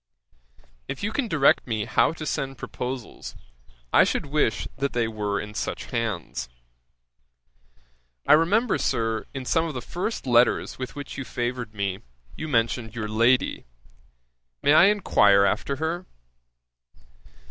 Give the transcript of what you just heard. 'If you can direct me how to send proposals, I should wish that they were in such hands. 'I remember, Sir, in some of the first letters with which you favoured me, you mentioned your lady. May I enquire after her?